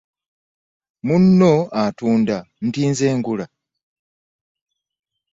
Mnunno atunda nti nze ngula .